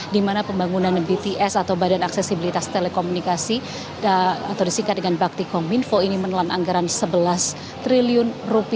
di mana pembangunan bts atau badan aksesibilitas telekomunikasi atau disikat dengan bakti kominfo ini menelan anggaran rp sebelas triliun